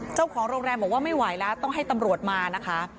เจ้าของโรงแรมบอกว่าไม่ไหวแล้วต้องให้ตำรวจมานะคะ